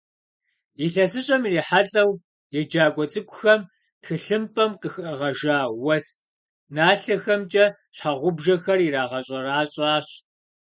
Илъэсыщӏэм ирихьэлӏэу еджакӏуэ цӏыкӏухэм тхылъымпӏэм къыхагъэжа уэс налъэхэмкӏэ щхьэгъубжэхэр ирагъэщӏэрэщӏащ.